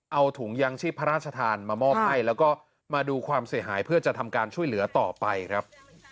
เอาถุงยางชีพพระราชทานมามอบให้แล้วก็มาดูความเสียหายเพื่อจะทำการช่วยเหลือต่อไปครับ